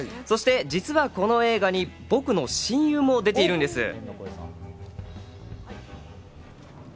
そして、実はこの映画に僕の親友も出ているんです。